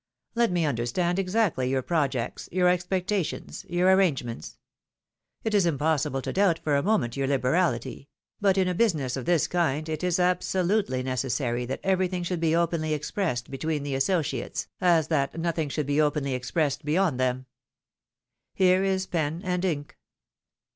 Let me understand exactly your projects, your expectations, your arrangements. It is im possible to doubt for a moment your liberality ; but in a business of this kind it is as absolutely necessary that everything should be openly expressed between the associates, as that nothing should be openly expressed beyond them. Here is pen and ink.